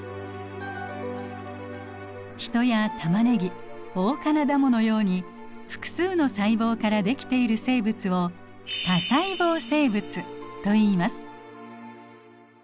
ヒトやタマネギオオカナダモのように複数の細胞からできている生物を多細胞生物といいます。